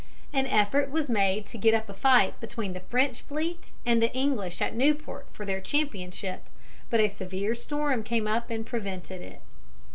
An effort was made to get up a fight between the French fleet and the English at Newport for the championship, but a severe storm came up and prevented it.